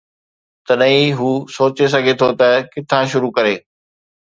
تڏهن ئي هو سوچي سگهي ٿو ته ڪٿان شروع ڪري.